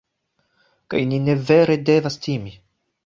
kaj ni ne vere devas timi